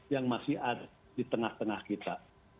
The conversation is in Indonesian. yang masih ada di tengah tengah kita